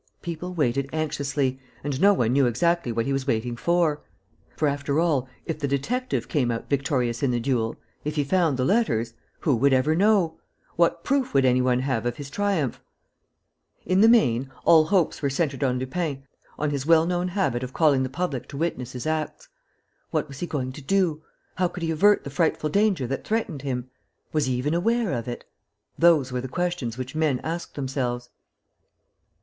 People waited anxiously; and no one knew exactly what he was waiting for. For, after all, if the detective came out victorious in the duel, if he found the letters, who would ever know? What proof would any one have of his triumph? In the main, all hopes were centred on Lupin, on his well known habit of calling the public to witness his acts. What was he going to do? How could he avert the frightful danger that threatened him? Was he even aware of it? Those were the questions which men asked themselves.